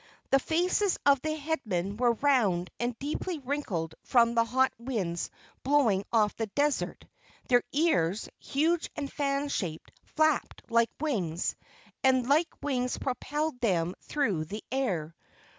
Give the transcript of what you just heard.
The faces of the Headmen were round and deeply wrinkled from the hot winds blowing off the desert; their ears, huge and fan shaped, flapped like wings, and like wings propelled them through the air.